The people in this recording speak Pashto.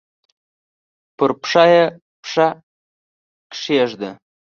پر پښه یې پښه کښېږده!